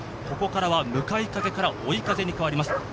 ここからは向かい風から追い風に変わります。